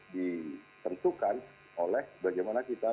ditentukan oleh bagaimana kita